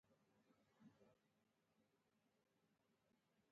د کمونېست ګوند هېڅ تګلاره کارنده نه وه.